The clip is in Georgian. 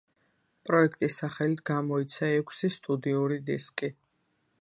პროექტის სახელით გამოიცა ექვსი სტუდიური დისკი.